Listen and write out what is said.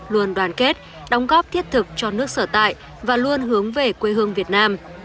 luôn đoàn kết đóng góp thiết thực cho nước sở tại và luôn hướng về quê hương việt nam